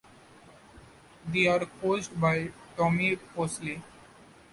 They are coached by Tommie Posley.